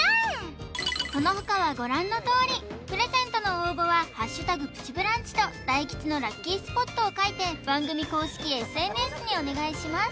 その他はご覧のとおりプレゼントの応募は「＃プチブランチ」と大吉のラッキースポットを書いて番組公式ＳＮＳにお願いします